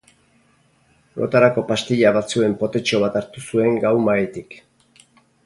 Lotarako pastilla batzuen potetxo bat hartu zuen gau-mahaitik.